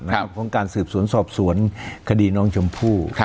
ของการสืบสวนสอบสวนคดีน้องชมพู่